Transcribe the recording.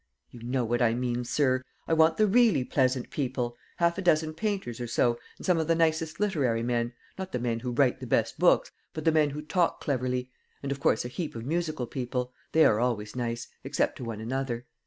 "You know what I mean, sir. I want the really pleasant people. Half a dozen painters or so, and some of the nicest literary men not the men who write the best books, but the men who talk cleverly; and, of course, a heap of musical people they are always nice, except to one another.